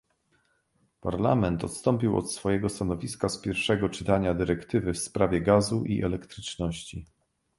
Parlament odstąpił od swojego stanowiska z pierwszego czytania dyrektywy w sprawie gazu i elektryczności